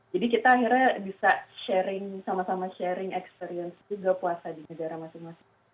jadi kita akhirnya bisa sharing sama sama sharing experience juga puasa di negara masing masing